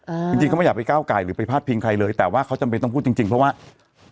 จริงจริงเขาไม่อยากไปก้าวไก่หรือไปพาดพิงใครเลยแต่ว่าเขาจำเป็นต้องพูดจริงจริงเพราะว่า